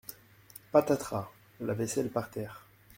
Patatras ! La vaisselle par terre !